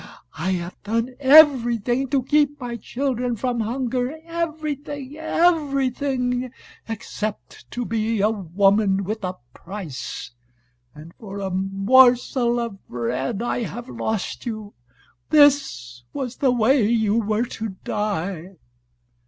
I have done everything to keep my children from hunger; everything, everything, except to be a woman with a price. And for a morsel of bread I have lost you! This was the way you were to die!"